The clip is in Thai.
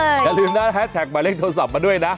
อย่าลืมนะแฮสแท็กหมายเลขโทรศัพท์มาด้วยนะ